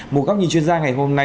một góc nhìn chuyên gia ngày hôm nay